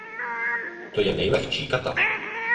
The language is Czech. Je to nejlehčí kata.